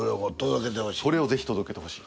それを届けてほしい？